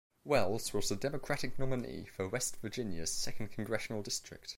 Wells was the Democratic nominee for West Virginia's Second Congressional District.